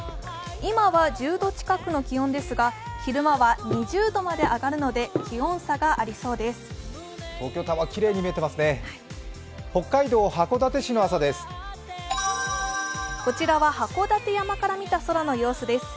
今は１０度近くの気温ですが昼間は２０度まで上がるので気温差がありそうです。